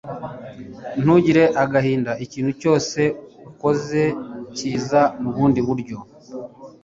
ntugire agahinda ikintu cyose uzatakaza kiza mu bundi buryo